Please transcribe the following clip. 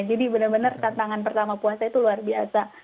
jadi benar benar tantangan pertama puasa itu luar biasa